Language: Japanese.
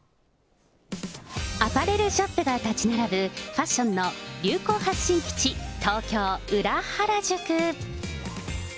アパレルショップが建ち並ぶファッションの流行発信基地、東京・裏原宿。